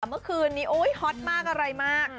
เมื่อคืนนี้โอ๊ยฮอตมากอะไรมาก